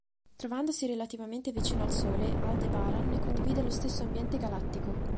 Trovandosi relativamente vicino al Sole, Aldebaran ne condivide lo stesso ambiente galattico.